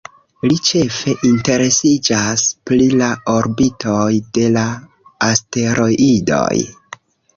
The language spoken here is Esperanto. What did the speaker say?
Li ĉefe interesiĝas pri la orbitoj de la asteroidoj.